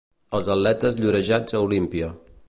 Els atletes llorejats a Olímpia.